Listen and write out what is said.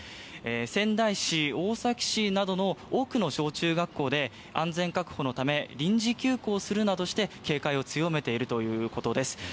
仙台市、大崎市などの多くの小中学校で安全確保のため臨時休校するなどして警戒を強めているということです。